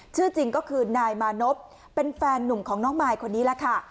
ชื่อจริงก็คือนายมานพเป็นแฟนหนุ่มของน้องมายคนนี้แหละค่ะ